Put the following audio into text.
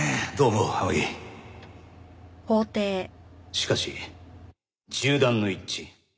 しかし銃弾の一致